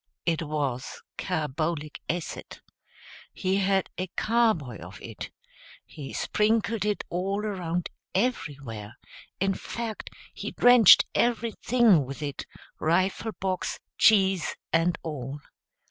It was carbolic acid. He had a carboy of it. He sprinkled it all around everywhere; in fact he drenched everything with it, rifle box, cheese and all.